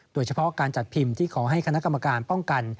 โดยเฉพาะการจัดพิมพ์ที่ขอให้คณะกรรมการป้องกัน